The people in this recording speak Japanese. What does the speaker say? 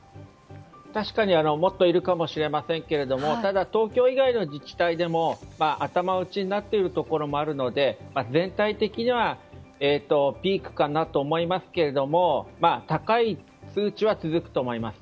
確かにもっといるかもしれませんけどもただ、東京以外の自治体でも頭打ちになっているところもあるので全体的にはピークかなと思いますけど高い数値は続くと思います。